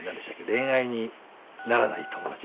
恋愛にならない友達？